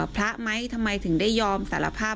พระไหมทำไมถึงได้ยอมสารภาพ